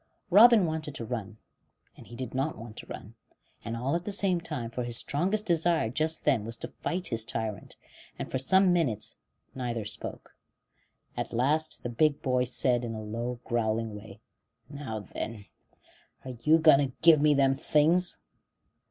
Robin wanted to run, and he did not want to run, and all at the same time, for his strongest desire just then was to fight his tyrant; and for some minutes neither spoke. At last the big boy said, in a low, growling way: "Now then, are you going to give me them things?"